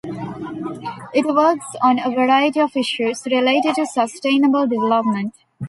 It works on a variety of issues related to sustainable development.